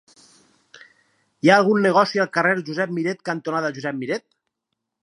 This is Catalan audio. Hi ha algun negoci al carrer Josep Miret cantonada Josep Miret?